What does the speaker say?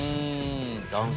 男性？